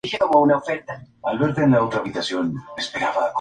El retablo se incendió y sólo se conservan algunas imágenes de Pujol.